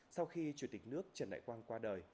sau khi chủ tịch nước trần đại quang qua đời